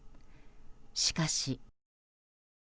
しかし。